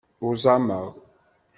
Uẓameɣ.